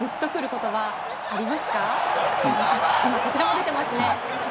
こちらも、出てますね。